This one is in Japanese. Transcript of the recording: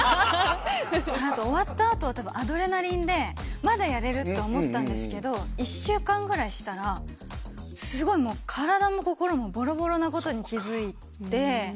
なんか終わったあとはアドレナリンで、まだやれるって思ったんですけど、１週間ぐらいしたら、すごいもう、体も心もぼろぼろなことに気付いて。